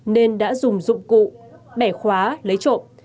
nên đã dùng dụng cụ bẻ khóa lấy trộm